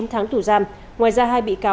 chín tháng tù giam ngoài ra hai bị cáo